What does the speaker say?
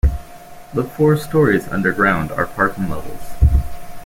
The four stories underground are parking levels.